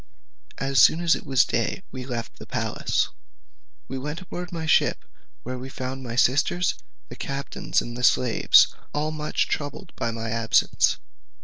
As soon as it was day we left the palace, and went aboard my ship, where we found my sisters, the captain, and the slaves, all much troubled at my absence.